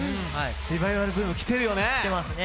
リバイバルブームきてるよね！